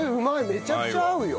めちゃくちゃ合うよ。